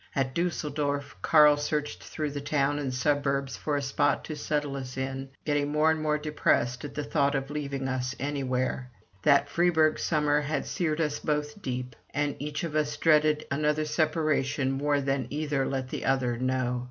At Düsseldorf Carl searched through the town and suburbs for a spot to settle us in, getting more and more depressed at the thought of leaving us anywhere. That Freiburg summer had seared us both deep, and each of us dreaded another separation more than either let the other know.